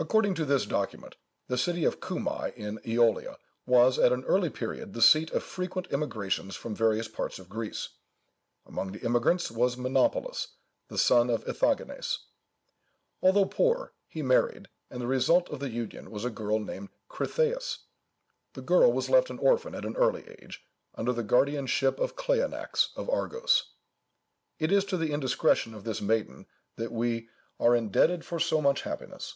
According to this document, the city of Cumæ in Æolia, was, at an early period, the seat of frequent immigrations from various parts of Greece. Among the immigrants was Menapolus, the son of Ithagenes. Although poor, he married, and the result of the union was a girl named Critheïs. The girl was left an orphan at an early age, under the guardianship of Cleanax, of Argos. It is to the indiscretion of this maiden that we "are indebted for so much happiness."